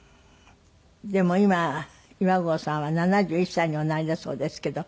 でも今岩合さんは７１歳におなりだそうですけど。